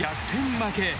負け。